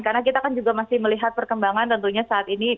karena kita kan juga masih melihat perkembangan tentunya saat ini